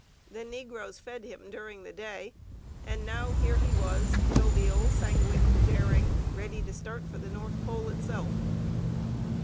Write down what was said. The negroes fed him during the day; and now here he was, jovial, sanguine, daring, ready to start for the North Pole itself.